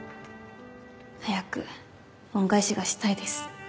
早く恩返しがしたいです。